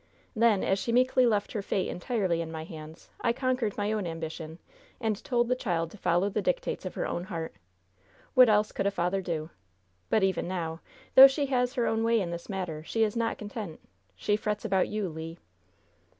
Then, as she meekly left her fate entirely in my hands, I conquered my own ambition and told the child to follow the dictates of her own heart. What else could a father do? But even now, though she has her own way in this matter, she is not content! She frets about you, Le!"